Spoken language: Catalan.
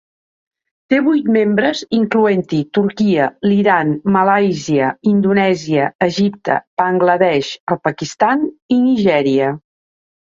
Té vuit membres, incloent-hi Turquia, l'Iran, Malàisia, Indonèsia, Egipte, Bangla Desh, el Pakistan i Nigèria.